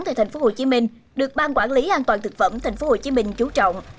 tại tp hcm được ban quản lý an toàn thực phẩm tp hcm chú trọng